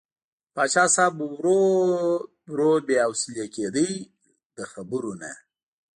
پاچا صاحب ورو ورو بې حوصلې کېده له خبرو نه.